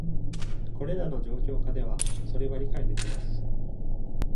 これらの状況下では、それは理解できます。